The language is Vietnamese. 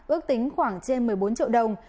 ước tính khoảng trên một mươi bốn triệu đồng